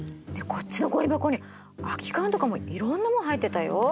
こっちのごみ箱に空き缶とかもいろんなもの入ってたよ。